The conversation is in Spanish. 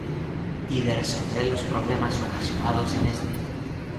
Y de resolver los problemas ocasionados en este.